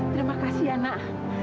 terima kasih ya anak